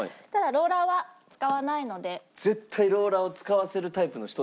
ローラーは使わないので。